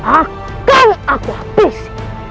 akan aku habisi